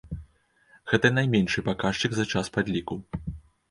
Гэта найменшы паказчык за час падлікаў.